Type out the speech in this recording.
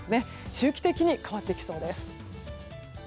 周期的に変わってきそうです。